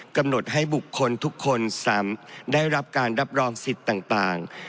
กำหนดให้บุคคลทุกคนได้รับการรับรองสิทธิ์ต่าง